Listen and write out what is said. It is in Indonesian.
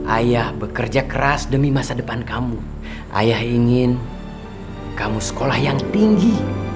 ayah bekerja keras demi masa depan kamu ayah ingin kamu sekolah yang tinggi